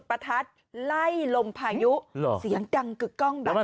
พี่ทำยังไงฮะ